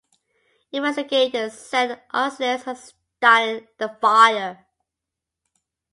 Investigators said an arsonist had started the fire.